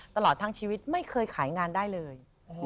ตลอดทั้งชีวิตไม่เคยขายงานได้เลย